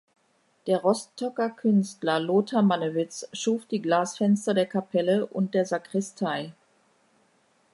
Der Rostocker Künstler Lothar Mannewitz schuf die Glasfenster der Kapelle und der Sakristei.